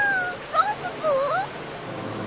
ランププ！？